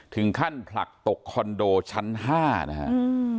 ถึงขั้นผลักตกคอนโดชั้นห้านะฮะอืม